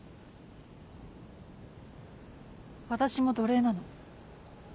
私も奴隷なの。